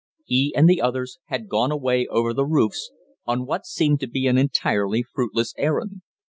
He and the others had gone away over the roofs, on what seemed to be an entirely fruitless errand.